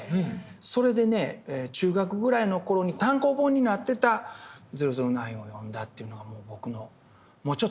それでね中学ぐらいの頃に単行本になってた「００９」を読んだというのが僕のもうちょっとね